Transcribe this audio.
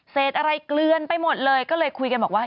อะไรเกลือนไปหมดเลยก็เลยคุยกันบอกว่า